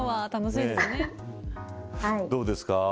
どうですか。